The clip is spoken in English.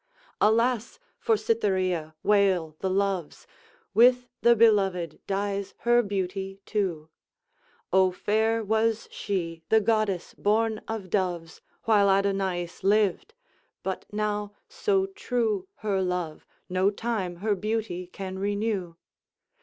Alas! for Cytherea wail the Loves, With the beloved dies her beauty too. O fair was she, the goddess borne of doves, While Adonaïs lived; but now, so true Her love, no time her beauty can renew.